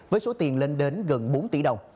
với số tiền lên đến gần bốn tỷ đồng